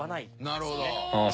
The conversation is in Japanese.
なるほど。